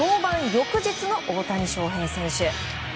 翌日の大谷翔平選手。